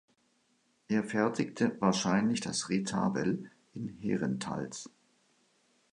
Er fertigte wahrscheinlich das Retabel in Herentals.